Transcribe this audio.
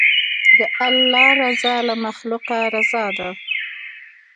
د الله رضا له مخلوقه رضا ده.